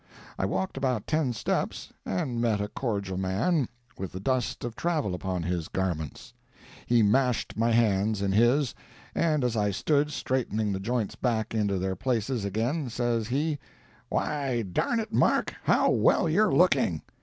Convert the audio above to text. I walked about ten steps, and met a cordial man, with the dust of travel upon his garments. He mashed my hands in his, and as I stood straightening the joints back into their places again, says he, "Why darn it, Mark, how well you're looking!